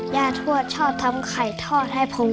ย่าทวดชอบทำไข่ทอดให้ผมกับน้องแม่